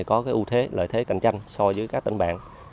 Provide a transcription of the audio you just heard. có cái ưu thế lợi thế cạnh tranh so với các tỉnh bạn